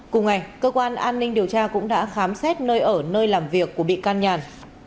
cùng ngày cơ quan an ninh điều tra cũng đã khám xét nơi ở nơi làm việc của bị can nhàn